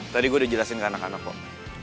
tadi gue udah jelasin ke anak anak kok